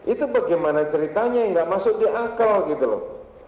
itu bagaimana ceritanya tidak masuk di akal gitu loh